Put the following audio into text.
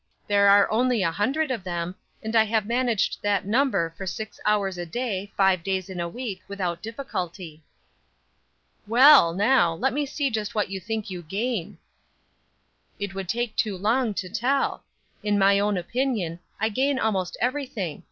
There are only a hundred of them, and I have managed that number for six hours a day, five days in a week, without difficulty." "Well, now, let me see just what you think you gain." "It would take too long to tell. In my own opinion, I gain almost everything.